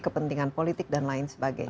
kepentingan politik dan lain sebagainya